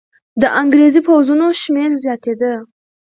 د انګریزي پوځونو شمېر زیاتېده.